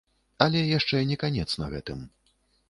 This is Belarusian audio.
Але яшчэ не канец на гэтым.